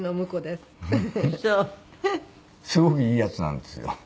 すごくいいヤツなんですよ。